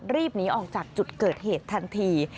รีบหนีออกจากจุดเกิดเหตุทันที